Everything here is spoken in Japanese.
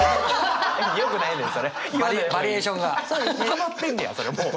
たまってんねやそれもう。